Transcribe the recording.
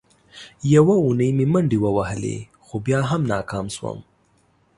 یوه اونۍ مې منډې ووهلې، خو بیا هم ناکام شوم.